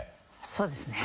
そうですね。